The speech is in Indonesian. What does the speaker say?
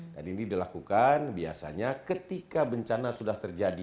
dan ini dilakukan biasanya ketika bencana sudah terjadi